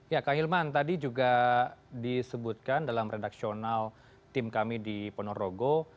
ya kang hilman tadi juga disebutkan dalam redaksional tim kami di ponorogo